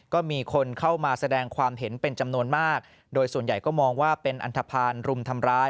ก็มีคนเข้ามาแสดงความเห็นเป็นจำนวนมากโดยส่วนใหญ่ก็มองว่าเป็นอันทภาณรุมทำร้าย